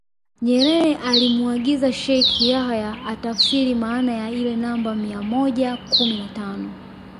Nyerere alimuagiza Sheikh Yahya atafsiri maana ya ile namba mia moja kumi na tano